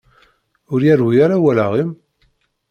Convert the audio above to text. Ur yerwi ara wallaɣ-im?